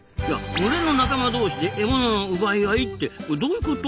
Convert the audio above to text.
群れの仲間同士で獲物の奪い合いってどういうこと？